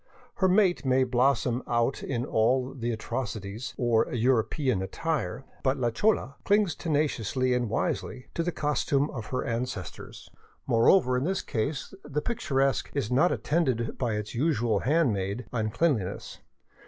Her mate may blossom out in all the atrocities or " Eu ropean " attire, but la chola clings tenaciously and wisely to the cos tume of her ancestors. Moreover, in this case the picturesque is not attended by its usual handmaid, uncleanliness.